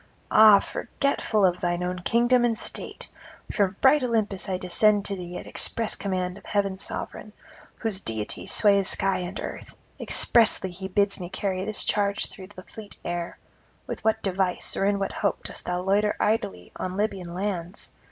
ah, forgetful of thine own kingdom and state! From bright Olympus I descend to thee at express command of heaven's sovereign, whose deity sways sky and earth; expressly he bids me carry this charge through the fleet air: with what device or in what hope dost thou loiter idly on Libyan lands?